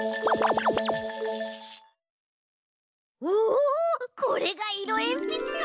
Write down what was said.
おこれがいろえんぴつか！